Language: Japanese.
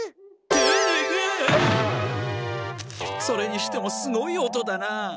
それにしてもすごい音だな。